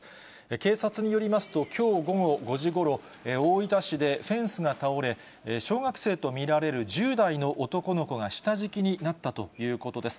警察によりますと、きょう午後５時ごろ、大分市でフェンスが倒れ、小学生と見られる１０代の男の子が下敷きになったということです。